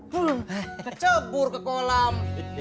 kecebur ke kolam